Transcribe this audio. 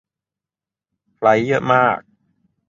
ไฟลท์เยอะมาก